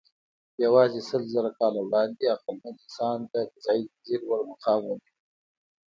یواځې سلزره کاله وړاندې عقلمن انسان د غذایي ځنځير لوړ مقام ونیو.